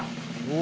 お！